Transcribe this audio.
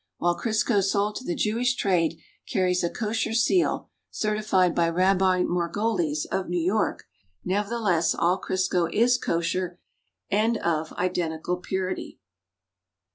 While Crisco sold to the Jewish trade carries a Kosher seal certified by Rabbi Margolies of New York, nevertheless all Crisco is "Kosher" and of identical purity.